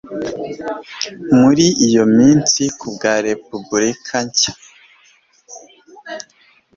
Muri iyo minsi kubwa Repubulika Nshya